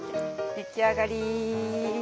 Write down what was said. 出来上がり！